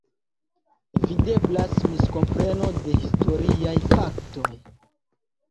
Videblas miskompreno de historiaj faktoj.